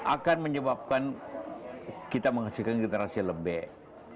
akan menyebabkan kita menghasilkan generasi yang lebih